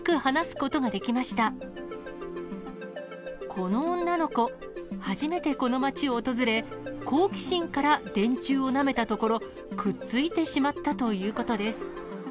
この女の子、初めてこの町を訪れ、好奇心から電柱をなめたところ、くっついてしまったということです。